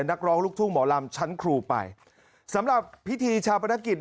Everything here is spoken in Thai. นักร้องลูกทุ่งหมอลำชั้นครูไปสำหรับพิธีชาปนกิจ